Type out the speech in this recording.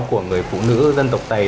của người phụ nữ dân tộc tây